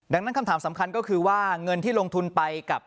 ดังนั้นคำถามสำคัญก็คือว่าเงินที่ลงทุนไปกับ